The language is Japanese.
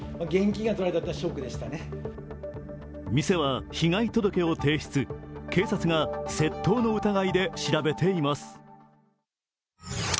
店は被害届を提出警察が窃盗の疑いで調べています。